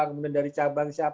kemudian dari cabang siapa